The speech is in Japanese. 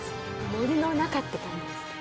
森の中って感じですかね。